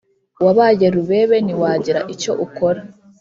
wabaye rubebe niwagira icyo ukora